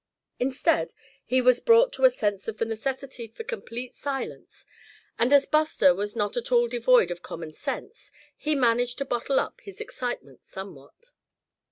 Instead he was brought to a sense of the necessity for complete silence; and as Buster was not at all devoid of common sense he managed to bottle up his excitement somewhat.